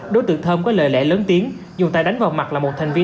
đối tượng thơm có lời lẽ lớn tiếng dùng tay đánh vào mặt là một thành viên